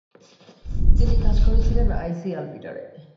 তিনি কাজ করেছিলেন আইসি আলপিটারে।